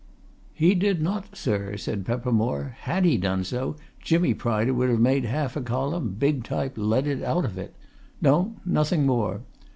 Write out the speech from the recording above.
"He did not, sir," said Peppermore. "Had he done so, Jimmy Pryder would have made half a column, big type, leaded, out of it. No; nothing more.